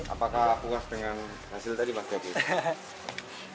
apakah puas dengan hasil tadi pak yopi